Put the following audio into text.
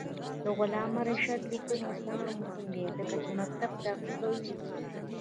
د علامه رشاد لیکنی هنر مهم دی ځکه چې مکتب تعقیبوي.